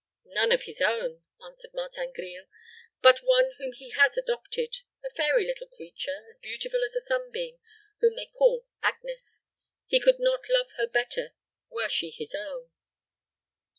"None of his own," answered Martin Grille; "but one whom he has adopted a fairy little creature, as beautiful as a sunbeam, whom they call Agnes. He could not love her better were she his own."